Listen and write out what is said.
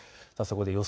予想